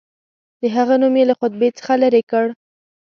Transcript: د هغه نوم یې له خطبې څخه لیري کړ.